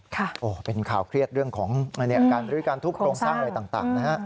ค่ะโอ้เป็นข่าวเครียดเรื่องของอาการทุกข์โครงสร้างอะไรต่างนะครับ